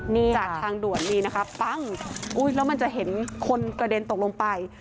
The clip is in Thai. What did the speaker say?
นี่จากทางด่วนนี่นะคะปั้งแล้วมันจะเห็นคนกระเด็นตกลงไป